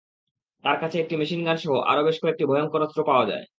তাঁর কাছে একটি মেশিনগানসহ আরও বেশ কয়েকটি ভয়ংকর অস্ত্র পাওয়া যায়।